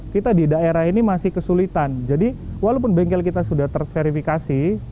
kita di daerah ini masih kesulitan jadi walaupun bengkel kita sudah terverifikasi